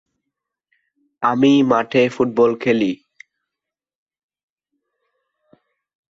এই ক্যাম্পাসটি কেবল মহিলা শিক্ষার্থীদের জন্য।